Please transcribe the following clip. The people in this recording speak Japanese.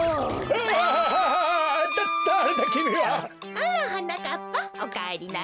あらはなかっぱおかえりなさい。